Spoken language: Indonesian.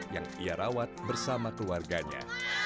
yang ia rawat bersama keluarganya